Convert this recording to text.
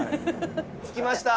着きました！